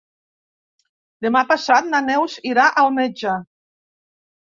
Demà passat na Neus irà al metge.